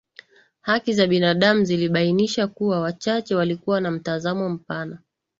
haki za binadamu zilibainisha kuwa wachache walikuwa na mtazamo mpana